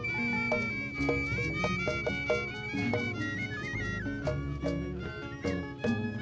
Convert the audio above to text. terima kasih pak